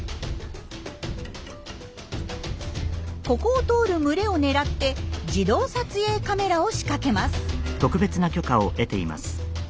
ここを通る群れを狙って自動撮影カメラを仕掛けます。